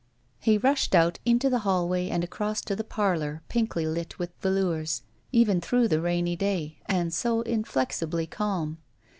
He rushed out into the hallway and across to the parlor pinkly lit with velours, even through the rainy day, and so inflexibly calm.